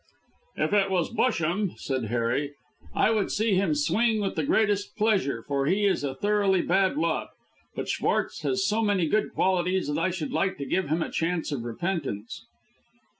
"If it was Busham," said Harry, "I would see him swing with the greatest pleasure, for he is a thoroughly bad lot; but Schwartz has so many good qualities that I should like to give him a chance of repentance."